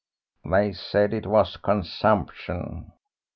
"They said it was consumption."